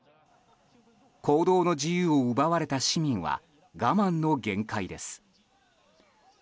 行動の自由を奪われた市民は我慢の限界です。